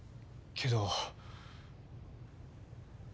けど？